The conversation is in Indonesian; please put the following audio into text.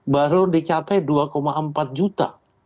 baru dicapai dua empat juta